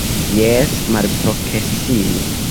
Jes, malproksime!